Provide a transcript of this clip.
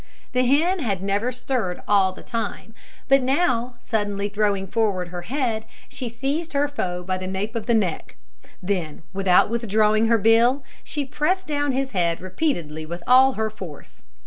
The hen had never stirred all the time; but now, suddenly throwing forward her head, she seized her foe by the nape of the neck; then, without withdrawing her bill, she pressed down his head repeatedly with all her force.